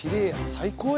最高。